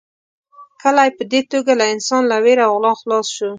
کلی په دې توګه له انسان له وېرې او غلا خلاص شو.